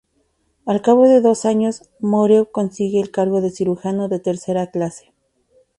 Al cabo de dos años, Moreau consigue el cargo de cirujano de tercera clase.